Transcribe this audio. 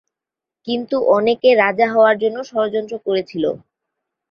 কিন্তু অনেকে রাজা হওয়ার জন্য ষড়যন্ত্র করেছিল।